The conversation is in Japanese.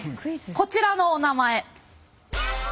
こちらのお名前。